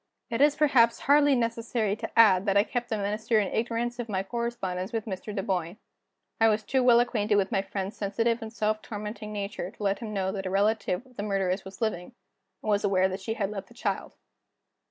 It is perhaps hardly necessary to add that I kept the Minister in ignorance of my correspondence with Mr. Dunboyne. I was too well acquainted with my friend's sensitive and self tormenting nature to let him know that a relative of the murderess was living, and was aware that she had left a child.